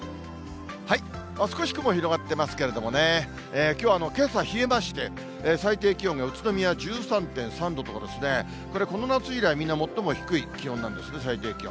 少し雲、広がってますけれども、きょう、けさ冷えまして、最低気温が宇都宮１３．３度とかですね、これ、この夏以来、みんな最も低い気温なんですね、最低気温。